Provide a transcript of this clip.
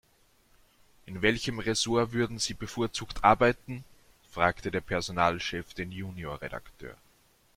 In welchem Ressort würden Sie bevorzugt arbeiten?, fragte der Personalchef den Junior-Redakteur.